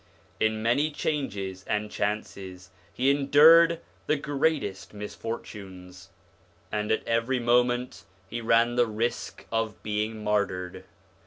In many changes and chances he endured the greatest misfortunes, and at every moment he ran the risk of being martyred.